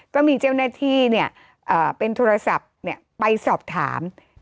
ก็มีเจ้าหน้าที่เป็นโทรศัพท์ไปสอบถาม